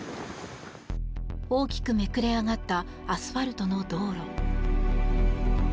大きくめくれ上がったアスファルトの道路。